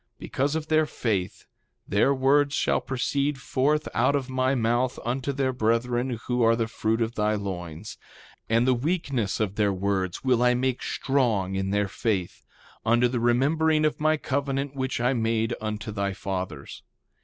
3:21 Because of their faith their words shall proceed forth out of my mouth unto their brethren who are the fruit of thy loins; and the weakness of their words will I make strong in their faith, unto the remembering of my covenant which I made unto thy fathers.